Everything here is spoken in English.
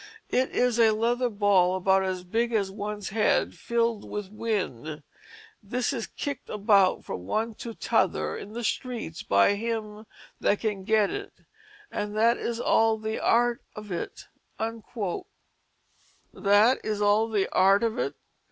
It is a leather ball about as big as one's head, fill'd with wind. This is kick'd about from one to tother in the streets, by him that can get it, and that is all the art of it." That is all the art of it!